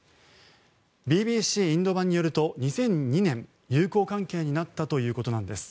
ＢＢＣインド版によると２００２年、友好関係になったということなんです。